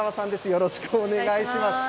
よろしくお願いします。